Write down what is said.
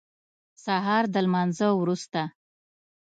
سهار د لمانځه وروسته.